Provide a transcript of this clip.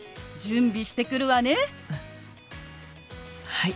はい。